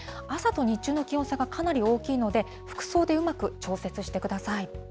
朝と日中の気温差がかなり大きいので、服装でうまく調節してください。